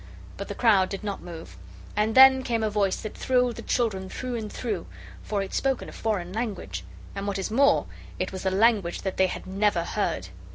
But the crowd did not move. And then came a voice that thrilled the children through and through. For it spoke in a foreign language. And, what is more, it was a language that they had never heard.